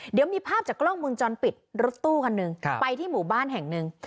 เดี๋ยวมีภาพจากกล้องมุมจรปิดรถตู้คันหนึ่งไปที่หมู่บ้านแห่งหนึ่ง